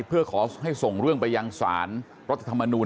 เพื่อขอให้ส่งเรื่องตรวจการดินไปยังศาลรัฐธรรมนูญ